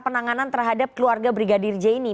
penanganan terhadap keluarga brigadir j ini